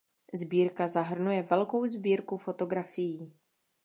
Sbírka zahrnuje velkou sbírku fotografií.